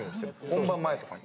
本番前とかに。